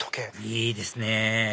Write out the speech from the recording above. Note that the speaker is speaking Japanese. いいですね